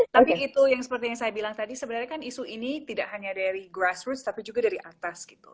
tapi itu yang seperti yang saya bilang tadi sebenarnya kan isu ini tidak hanya dari grassroots tapi juga dari atas gitu